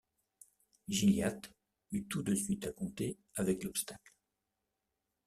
Gilliatt eut tout de suite à compter avec l’obstacle.